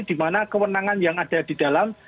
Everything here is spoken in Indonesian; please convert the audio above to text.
dimana kewenangan yang ada di dalam